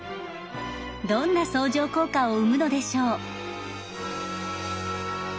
どんな相乗効果を生むのでしょう。